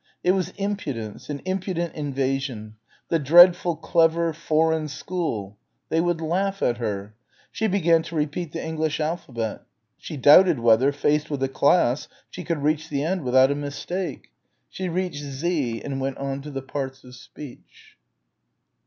It was impudence, an impudent invasion ... the dreadful clever, foreign school.... They would laugh at her.... She began to repeat the English alphabet.... She doubted whether, faced with a class, she could reach the end without a mistake.... She reached Z and went on to the parts of speech.